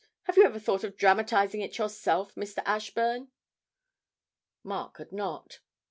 Have you ever thought of dramatising it yourself, Mr. Ashburn?' Mark had not.